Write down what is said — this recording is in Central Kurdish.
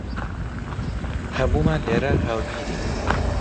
هەموومان لێرە هاوبیرین.